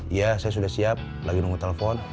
iya saya sudah siap lagi nunggu telepon